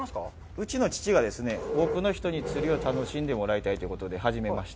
うちの父が多くの人に釣りを楽しんでもらいたいということで始めました。